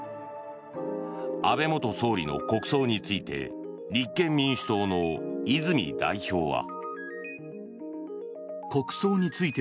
安倍元総理の国葬について立憲民主党の泉代表は。